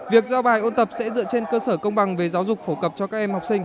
việc giao bài ôn tập sẽ dựa trên cơ sở công bằng về giáo dục phổ cập cho các em học sinh